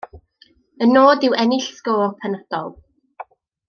Y nod yw ennill sgôr penodol.